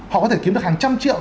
họ có thể kiếm được hàng trăm triệu